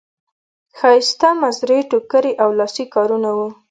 ښایسته مزري ټوکري او لاسي کارونه وو.